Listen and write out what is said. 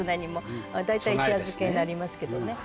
大体一夜漬けになりますけどね。